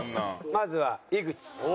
まずは井口。